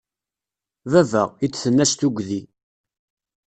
Baba! I d-tenna s tugdi.